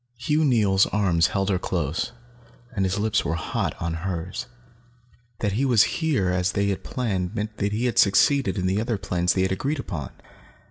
Hugh Neils' arms held her close, and his lips were hot on hers. That he was here as they had planned meant that he had succeeded in the other plans they had agreed upon.